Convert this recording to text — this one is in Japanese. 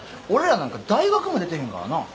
俺らなんか大学も出てへんからな。